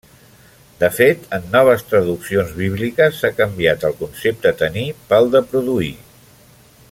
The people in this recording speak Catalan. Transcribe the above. De fet, en noves traduccions bíbliques s'ha canviat el concepte tenir pel de produir.